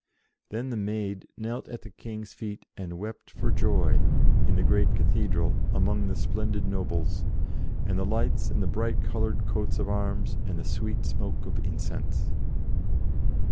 Then the Maid knelt at the King's feet and wept for joy, in the great Cathedral, among the splendid nobles, and the lights, and the bright coloured coats of arms, and the sweet smoke of incense.